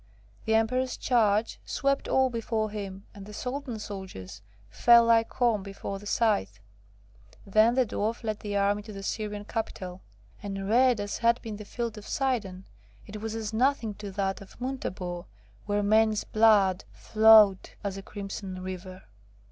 The Emperor's charge swept all before him, and the Soldan's soldiers fell like corn before the scythe. Then the Dwarf led the army to the Syrian capital; and red as had been the field of Sidon, it was as nothing to that of Muntabur, where men's blood flowed as a crimson river.